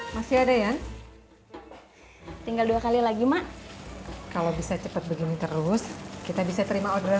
masih ada ya tinggal dua kali lagi mak kalau bisa cepat begini terus kita bisa terima orderan